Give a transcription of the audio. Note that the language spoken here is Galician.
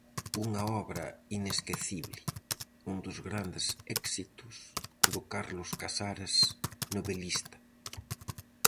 Unha obra inesquecible, un dos grandes éxitos do Carlos Casares novelista.